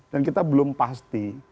dan kita belum pasti